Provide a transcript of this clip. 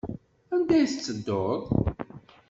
Anda ay tettedduḍ?